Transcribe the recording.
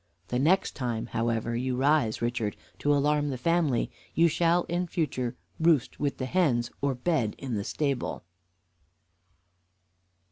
The next time, however, you rise, Richard, to alarm the family, you shall in future roost with the hens or bed in the stable."